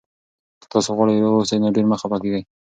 که تاسي غواړئ روغ اوسئ، نو ډېر مه خفه کېږئ.